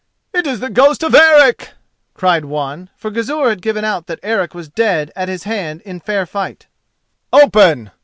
"It is the ghost of Eric!" cried one, for Gizur had given out that Eric was dead at his hand in fair fight. "Open!"